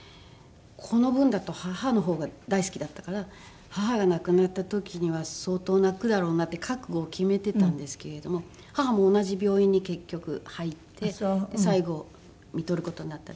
この分だと母の方が大好きだったから母が亡くなった時には相当泣くだろうなって覚悟を決めてたんですけれども母も同じ病院に結局入って最期をみとる事になった。